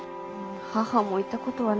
母も行ったことはないが。